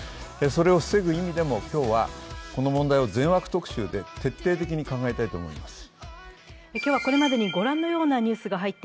それを防ぐ意味でも今日はこの問題を全枠特集で徹底的に考えたいと思います。